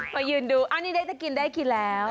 พอยืนดูอ้าวนี่ได้จะกินได้กินแล้ว